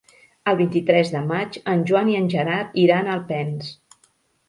El vint-i-tres de maig en Joan i en Gerard iran a Alpens.